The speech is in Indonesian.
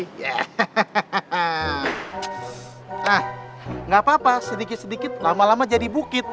hah gapapa sedikit sedikit lama lama jadi bukit